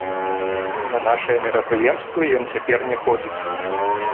На нашыя мерапрыемствы ён цяпер не ходзіць.